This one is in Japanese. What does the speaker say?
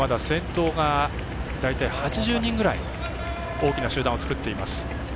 先頭が大体８０人ぐらい大きな集団を作っています。